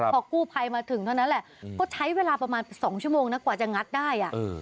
พอกู้ภัยมาถึงเท่านั้นแหละก็ใช้เวลาประมาณ๒ชั่วโมงนะกว่าจะงัดได้